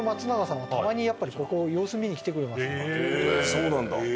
そうなんだ。